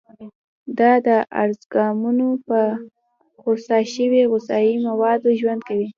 دا ارګانیزمونه په خوسا شوي غذایي موادو ژوند کوي.